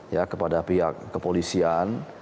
ya kepada pihak kepolisian